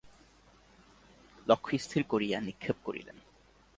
লক্ষ্য স্থির করিয়া নিক্ষেপ করিলেন।